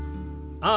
ああ。